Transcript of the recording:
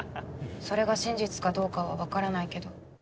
それが真実かどうかは分からないけど。